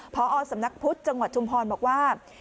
พอสำนักพุทธจังหวัดชุมพรบอกว่า